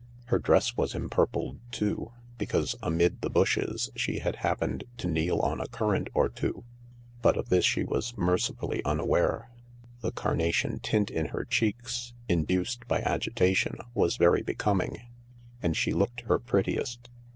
Her dress was empurpled too, because amid the bushes she had happened to kneel on a currant or two — but of this she was mercifully unaware. The carnation tint in her cheeks, in duced by agitation, was very becoming, and she looked her prettiest.